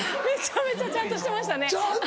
めちゃめちゃちゃんとしてましたね。